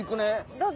どうぞ。